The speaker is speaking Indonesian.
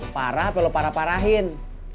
parah apa lo parah parahin